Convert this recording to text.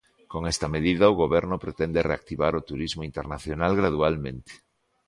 Con esta medida o Goberno pretende reactivar o turismo internacional gradualmente.